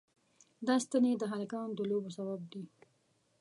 دا ستنې د هلکانو د لوبو سبب دي.